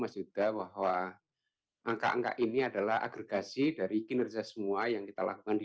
mas yuda bahwa angka angka ini adalah agregasi dari kinerja semua yang kita lakukan di